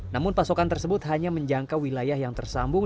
namun pasokan tersebut hanya menjangkau wilayah yang tersambung